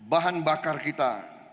bahan bakar kita